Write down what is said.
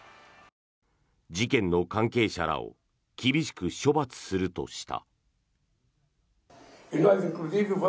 事件の関係者らを厳しく処罰するとした。